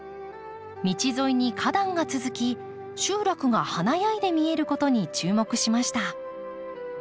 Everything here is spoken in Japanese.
道沿いに花壇が続き集落が華やいで見えることに注目しました。